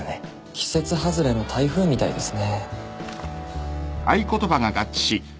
季節外れの台風みたいですね